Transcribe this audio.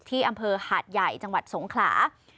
ที่อำเภอหาดใหญ่จังหวัดสงขลา